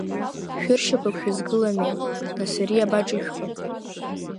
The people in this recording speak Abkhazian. Шәыршьапык шәызгыламеи, нас ари иабаҿышәхи?